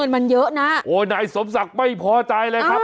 มันเยอะนะโอ้นายสมศักดิ์ไม่พอใจเลยครับ